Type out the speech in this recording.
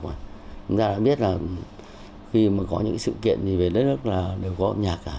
chúng ta đã biết là khi mà có những sự kiện về đất nước là đều có âm nhạc